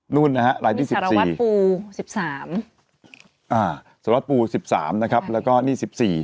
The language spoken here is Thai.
นู่นนะครับรายที่๑๔สารวัตรปู๑๓นะครับแล้วก็นี่๑๔